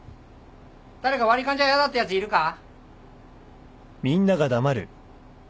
誰か割り勘じゃやだってやついるか？